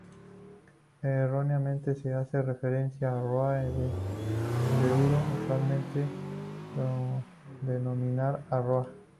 Erróneamente se hace referencia a "Roa de Duero" usualmente para denominar a Roa.